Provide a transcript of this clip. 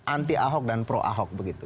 anti ahok dan pro ahok begitu